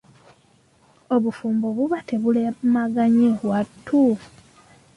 Obufumbo buba tebulemaganye wattu?